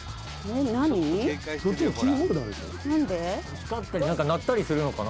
「光ったりなんか鳴ったりするのかな？」